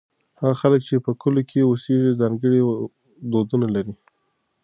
هغه خلک چې په کلو کې اوسېږي ځانګړي دودونه لري.